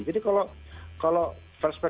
jadi kalau perspektif kita bukan itu